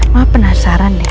ma penasaran deh